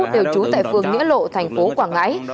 đều trú tại phường nghĩa lộ thành phố quảng ngãi